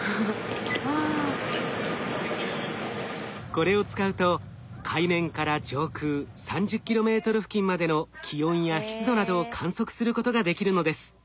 これを使うと海面から上空３０ｋｍ付近までの気温や湿度などを観測することができるのです。